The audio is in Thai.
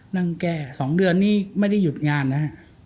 นั่งแก้๒เดือนนี้ไม่ได้หยุดงานนะฮะ